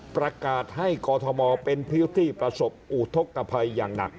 ประกาศให้กอทมเป็นพิวที่ประสบอุทธกภัยอย่างหนัก